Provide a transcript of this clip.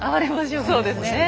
はいそうですね。